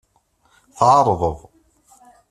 Tɛerḍeḍ.